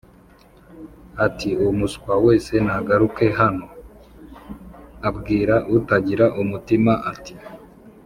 ati “umuswa wese nagaruke hano” abwira utagira umutima ati